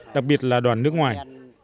đặc biệt là đoàn nước ngoài